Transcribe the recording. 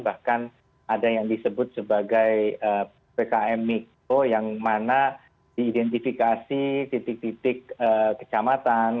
bahkan ada yang disebut sebagai pkm mikro yang mana diidentifikasi titik titik kecamatan